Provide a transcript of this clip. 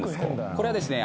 これはですね